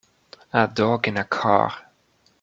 A dog in a car.